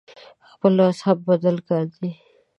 خپل مذهب بدل کاندي